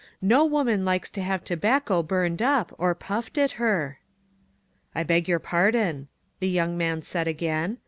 No woman likes to have tobacco burned up, and puffed at her." "I beg your pardon," the young man said again.